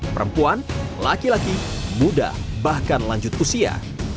perempuan laki laki muda bahkan lanjut usia